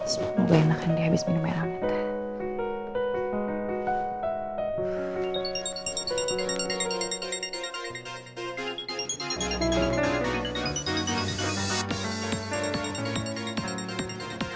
semoga enak andi abis minum air anget